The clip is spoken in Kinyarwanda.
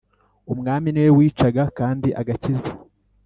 umwami niwe wicaga kandi agakiza